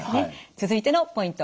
続いてのポイント